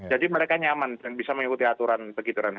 jadi mereka nyaman dan bisa mengikuti aturan begitu